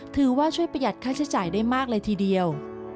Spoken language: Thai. ถือว่าช่วยปยัดแค่เจอใจได้มากเลยทีเดียว